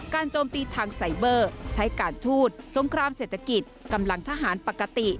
โจมตีทางไซเบอร์ใช้การทูตสงครามเศรษฐกิจกำลังทหารปกติ